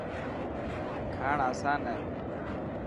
کاڻ آسان هي.